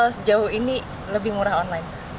sejauh ini lebih murah online